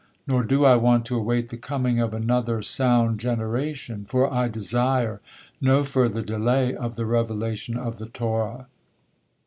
Nor do I want to await the coming of another, sound generation, for I desire no further delay of the revelation of the Torah."